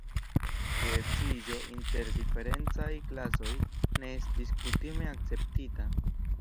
Geedziĝo inter diferencaj klasoj ne estis kutime akceptita.